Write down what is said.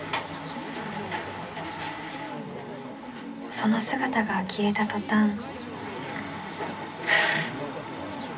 ［その姿が消えた途端］ハァ。